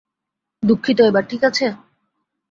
দুঃখিত, এবার ঠিক আছে?